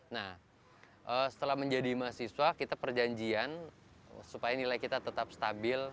nah setelah menjadi mahasiswa kita perjanjian supaya nilai kita tetap stabil